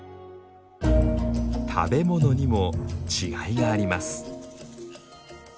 食べ物にも違いがあります。